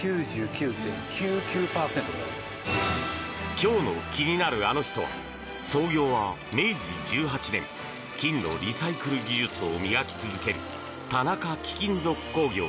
今日の気になるアノ人は創業は明治１８年金のリサイクル技術を磨き続ける田中貴金属工業